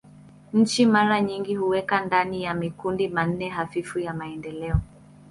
Nchi mara nyingi huwekwa ndani ya makundi manne hafifu ya maendeleo.